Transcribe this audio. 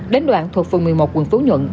đến đoạn thuộc phường một mươi một quận phú nhuận